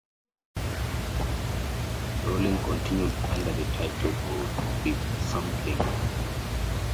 Trawling continued under the title of 'dip-sampling'.